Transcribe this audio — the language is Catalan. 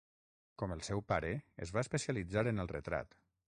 Com el seu pare, es va especialitzar en el retrat.